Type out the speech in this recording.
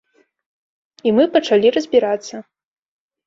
І мы пачалі разбірацца.